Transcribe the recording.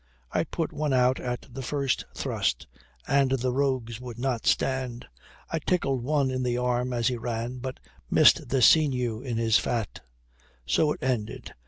I put one out at the first thrust, and the rogues would not stand. I tickled one in the ham as he ran, but missed the sinew in his fat. So it ended.